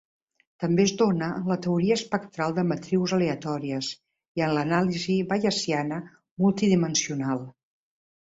També es dóna en la teoria espectral de matrius aleatòries i en l'anàlisi bayesiana multidimensional.